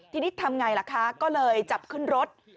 ทีนี้ทำไงล่ะคะก็เลยจับขึ้นรถ